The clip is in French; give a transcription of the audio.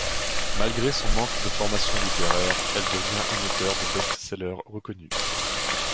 Malgré son manque de formation littéraire, elle devient un auteur de best-sellers reconnu.